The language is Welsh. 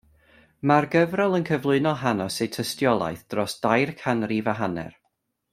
Mae'r gyfrol yn cyflwyno hanes eu tystiolaeth dros dair canrif a hanner.